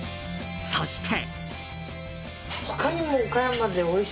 そして。